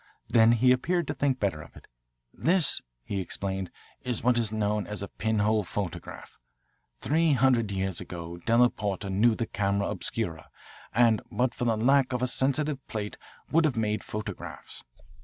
Then he appeared to think better of it. "This," he explained, "is what is known as a pinhole photograph. Three hundred years ago della Porta knew the camera obscura, and but for the lack of a sensitive plate would have made photographs.